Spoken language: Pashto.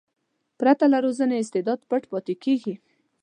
پرته له روزنې استعداد پټ پاتې کېږي.